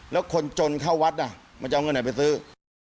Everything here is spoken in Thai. แล้วคนจนเข้าวัดมันจะเอาเงินไหนไปซื้อ